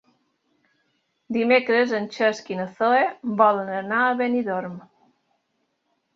Dimecres en Cesc i na Zoè volen anar a Benidorm.